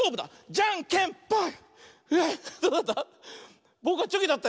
じゃんけんパー！